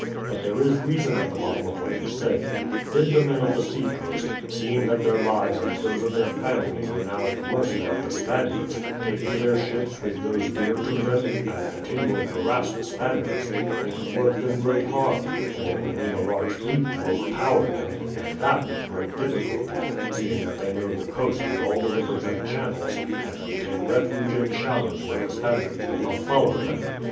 But there is reason at the bottom of what you say. Did the men of the sea coast, seeing that their lives and those of their families are now at the mercy of the Spaniards, take to their ships with those dear to them and continually harass the Spaniards, they could work them great harm, and it would need a large fleet to overpower them, and that with great difficulty, seeing that they know the coast and all the rivers and channels, and could take refuge in shallows where the Spaniards could not follow them.